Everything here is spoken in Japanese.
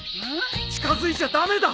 近づいちゃ駄目だ！